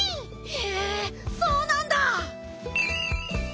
へえそうなんだ。